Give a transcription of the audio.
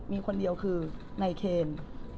มีคนเดียวคือในเครน